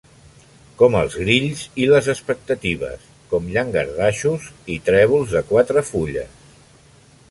Com els grills i les expectatives; com llangardaixos i trèvols de quatre fulles.